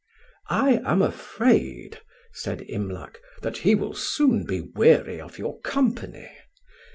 "I am afraid," said Imlac, "that he will soon be weary of your company.